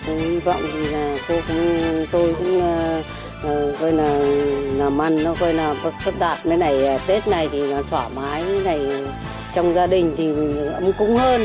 hy vọng tôi cũng làm ăn tất đạt tết này thỏa mái trong gia đình ấm cúng hơn